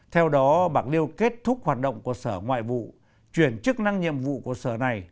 theo đó bạc liêu kết thúc hoạt động của sở ngoại vụ chuyển chức năng nhiệm vụ của sở này